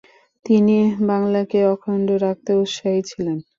তিনি বাংলাকে অখণ্ড রাখতে উৎসাহী ছিলেন।